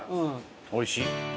おいしい。